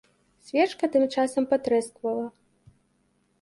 Свечка тым часам патрэсквала.